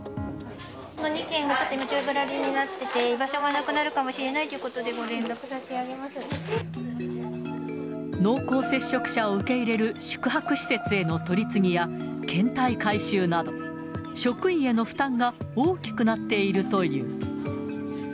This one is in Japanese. ２件がちょっと宙ぶらりんになっていて、居場所がなくなるかもしれないということで、ご連絡濃厚接触者を受け入れる宿泊施設への取り次ぎや、検体回収など、職員への負担が大きくなっているという。